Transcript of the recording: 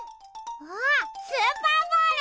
あっスーパーボール！